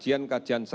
dilengkapi k fise